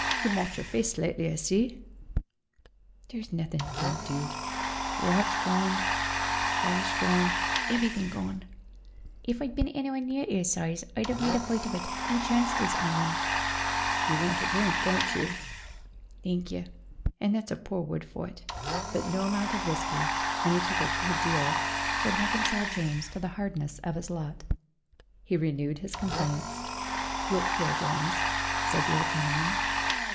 He marked your face slightly, I see." "There's nutthing 'e didn't do. Watch gone. Cash A DEVIL, A BOY, A DESIGNER 163 gone. Ev'rything gone. If I'd bin anywheer near 'is size I'd 'ave made a fight of it, an' chanced 'is iron." "You want a drink, don't you?" "Thank yer, and that's a pore word fur it." But no amount of whisky and he took a good deal could reconcile James to the hardness of his lot. He renewed his complaints. "Look here, James," said the old gentleman.